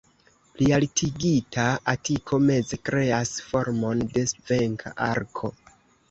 Plialtigita atiko meze kreas formon de venka arko.